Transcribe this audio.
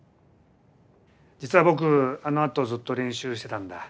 実は僕あのあとずっと練習してたんだ。